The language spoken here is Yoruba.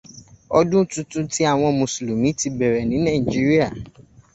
Ọdún tuntun ti àwọn mùsùlùmí ti bẹ̀rẹ̀ ní Nàìjíríà.